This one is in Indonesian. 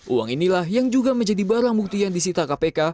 uang inilah yang juga menjadi barang bukti yang disita kpk